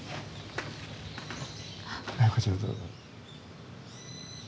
はいこちらどうぞ。